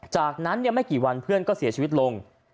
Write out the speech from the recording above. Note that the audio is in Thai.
จากนั้นไม่กี่วันเพื่อนก็เสียชีวิตลง